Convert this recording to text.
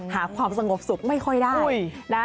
หาความสงบสุขไม่ค่อยได้นะ